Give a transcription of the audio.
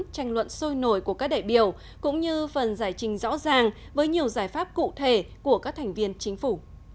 tranh luận sôi nổi của các đại biểu cũng như phần giải trình rõ ràng với nhiều giải pháp cụ thể của các thành viên chính phủ